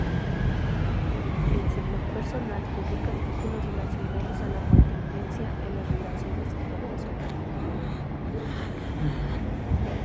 En su blog personal, publica artículos relacionados a la contingencia en las relaciones internacionales.